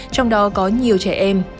trong đó có nhiều trẻ em